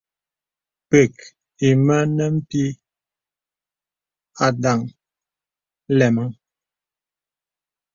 Pə̀k ìmə̀ ne pìì àdaŋ nlɛmaŋ.